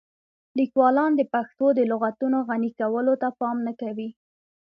لیکوالان د پښتو د لغتونو غني کولو ته پام نه کوي.